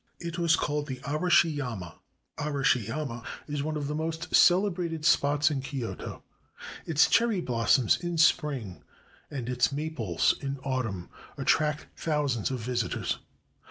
It was called the'' Arashi yama." Arashi yama is one of the most celebrated spots in Kioto. Its 397 JAPAN cherry blossoms in spring and its maples in autumn at tract thousands of visitors.